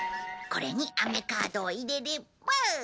これに雨カードを入れれば。